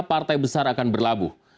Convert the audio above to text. partai besar akan berlabuh